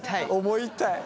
思いたい。